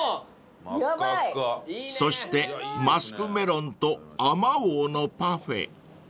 ［そしてマスクメロンとあまおうのパフェ］